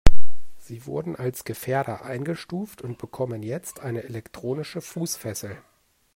Sie wurden als Gefährder eingestuft und bekommen jetzt eine elektronische Fußfessel.